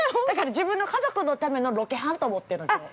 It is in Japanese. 自分の家族のためのロケハンと思ってるんで。